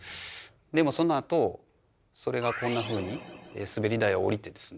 でもそのあとそれがこんなふうに滑り台を降りてですね